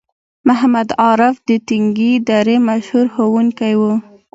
محمد عارف د تنگي درې مشهور ښوونکی وو